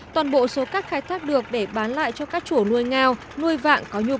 toàn bộ số cát khai thác được để bán lại cho các chủ nuôi ngao nuôi vạng có nhu cầu